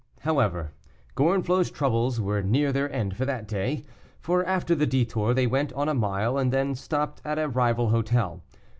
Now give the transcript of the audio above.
However, Gorenflot's troubles were near their end for that day, for after the detour they went on a mile, and then stopped at a rival hotel.